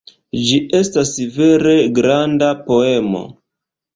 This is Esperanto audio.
Ĝi estas vere "granda" poemo.